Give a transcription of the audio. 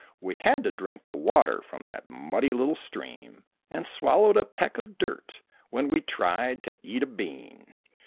We had to drink the water from that muddy little stream And swallowed a peck of dirt when we tried to eat a bean.